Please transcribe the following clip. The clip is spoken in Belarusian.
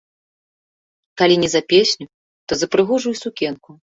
Калі не за песню, то за прыгожую сукенку.